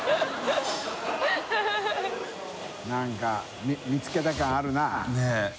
何か見つけた感あるな。ねぇ。